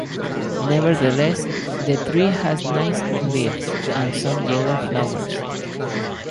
Nevertheless, the tree has nice green leaves, and some yellow flowers.